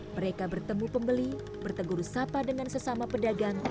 mereka bertemu pembeli bertegur sapa dengan sesama pedagang